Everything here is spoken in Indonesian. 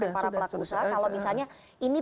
para pelaku usaha kalau misalnya ini